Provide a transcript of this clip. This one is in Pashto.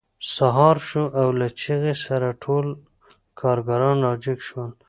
سهار شو او له چیغې سره ټول کارګران راجګ شول